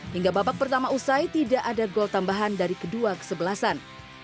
hingga babak pertama usai tidak ada gol tambahan dari kedua kesebelasan